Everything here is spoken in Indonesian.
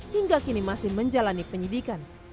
hingga kini masih menjalani penyidikan